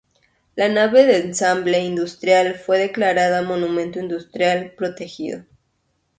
La nave de ensamblaje industrial fue declarada monumento industrial protegido.